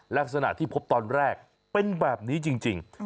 ลักษณะที่พบตอนแรกเป็นแบบนี้จริง